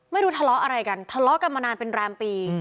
ไม่รู้ทะเลาะอะไรกันทะเลาะกันมานานเป็นแรมปี